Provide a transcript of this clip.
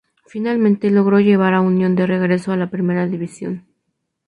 Finalmente logró llevar a Unión de regreso a la Primera División.